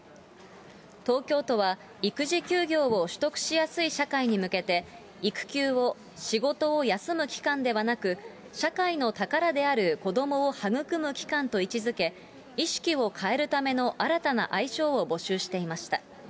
東京都は、育児休業を取得しやすい社会に向けて、育休を仕事を休む期間ではなく、社会の宝である子どもを育む期間と位置づけ、意識を変えるための新たな愛称を募集していました。